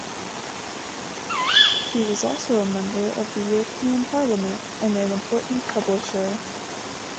He was also a member of the European Parliament and an important publisher.